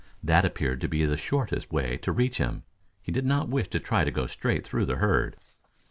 That appeared to be the shortest way to reach him. He did not wish to try to go straight through the herd.